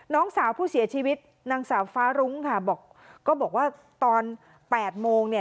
น้องสาวผู้เสียชีวิตนางสาวฟ้ารุ้งค่ะบอกก็บอกว่าตอนแปดโมงเนี่ย